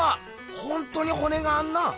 ほんとにほねがあんな！